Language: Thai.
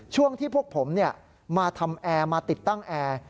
ช่วงที่พวกผมมาทำแอร์มาติดตั้งแอร์